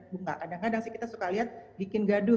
enggak kadang kadang sih kita suka lihat bikin gaduh